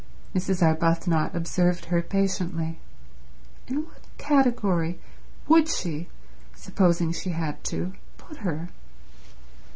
Mrs. Arbuthnot observed her patiently. In what category would she, supposing she had to, put her?